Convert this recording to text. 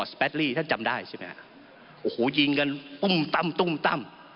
แปดลี่ท่านจำได้ใช่ไหมฮะโอ้โหยิงกันตุ้มตั้มตุ้มตั้ม